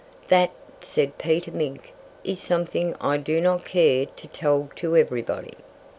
"That," said Peter Mink, "is something I do not care to tell to everybody."